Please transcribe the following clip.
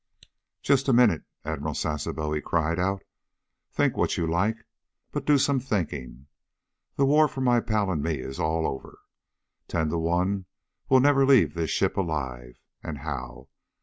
"Just a minute, Admiral Sasebo!" he cried out. "Think what you like, but do some thinking. The war for my pal and me is all over. Ten to one we'll never leave this ship alive. And how!